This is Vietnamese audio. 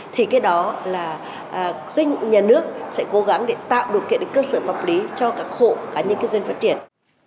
thì cái đó là doanh nghiệp nhà nước sẽ cố gắng tạo đột kiện cơ sở pháp lý cho các hộ cá nhân kinh doanh phát triển